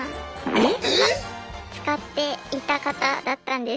えっ⁉使っていた方だったんです。